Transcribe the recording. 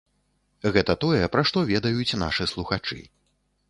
Гэта тое, пра што ведаюць нашы слухачы.